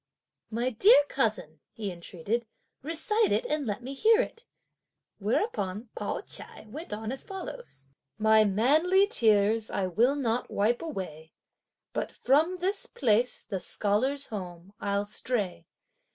"My dear cousin," he entreated, "recite it and let me hear it!" Whereupon Pao ch'ai went on as follows: My manly tears I will not wipe away, But from this place, the scholar's home, I'll stray.